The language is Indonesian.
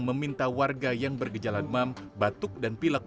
meminta warga yang bergejalan mam batuk dan pilek